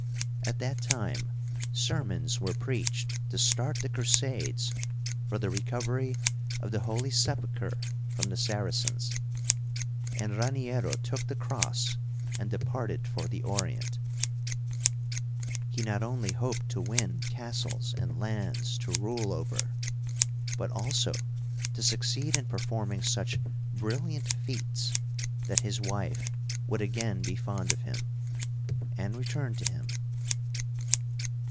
At that time sermons were preached to start the Crusades for the recovery of the Holy Sepulchre from the Saracens, and Raniero took the cross and departed for the Orient. He not only hoped to win castles and lands to rule over, but also to succeed in performing such brilliant feats that his wife would again be fond of him, and return to him.